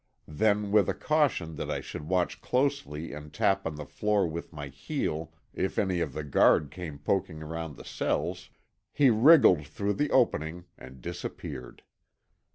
Then with a caution that I should watch closely and tap on the floor with my heel if any of the guard came poking around the cells, he wriggled through the opening and disappeared.